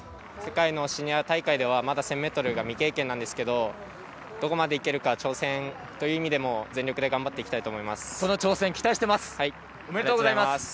世界のシニア大会ではまだ１０００ｍ未経験なんですがどこまでいけるか挑戦という意味でも全力で頑張っていきたいと思います。